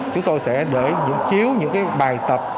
chúng tôi sẽ để những chiếu những cái bài tập